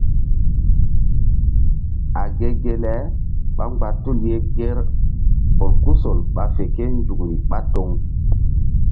A ge ge le ɓá mgba tul ye ŋger bolkusol ɓa fe kénzukri ɓá toŋ.